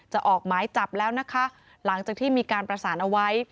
ออกหมายจับแล้วนะคะหลังจากที่มีการประสานเอาไว้